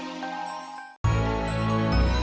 sampai jumpa lagi